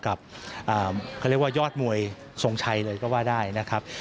กับเขาเรียกว่ายอดมวยทรงชัยเลยก็ว่าได้นะครับ